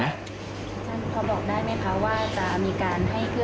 ว่าจะมีการให้ขึ้นยาให้สกได้